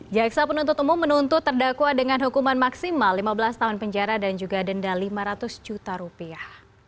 jaksa penuntut umum menuntut terdakwa dengan hukuman maksimal lima belas tahun penjara dan juga denda lima ratus juta rupiah